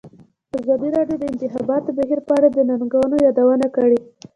ازادي راډیو د د انتخاباتو بهیر په اړه د ننګونو یادونه کړې.